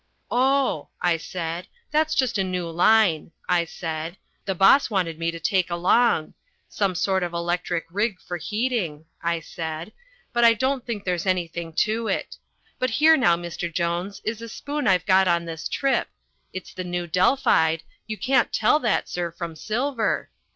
"Oh," I said, "that's just a new line," I said, "the boss wanted me to take along: some sort of electric rig for heating," I said, "but I don't think there's anything to it. But here, now, Mr. Jones, is a spoon I've got on this trip it's the new Delphide you can't tell that, sir, from silver.